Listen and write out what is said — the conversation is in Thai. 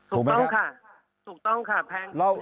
ถูกต้องค่ะถูกต้องค่ะแพงเกินเหตุ